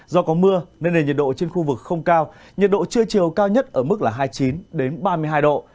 do có mưa nên nền nhiệt độ trên khu vực không cao nhiệt độ chưa chiều cao nhất ở mức là hai mươi chín đến ba mươi hai độ